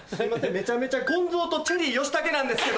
めちゃめちゃゴンゾーとチェリー吉武なんですけど！